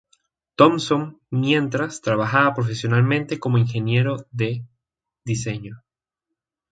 Thompson", mientras trabajaba profesionalmente como ingeniero de diseño.